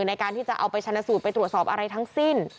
ในการที่จะเอาไปชนะสูตรไปตรวจสอบอะไรทั้งสิ้น